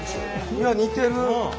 いや似てる！